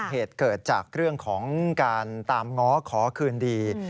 เหตุเกิดจากเรื่องของการตามง้อขอคืนดี